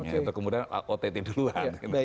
ya itu kemudian aku otetin duluan